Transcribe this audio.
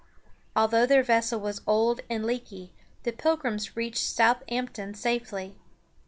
Although their vessel was old and leaky, the Pilgrims reached South amp´ton safely.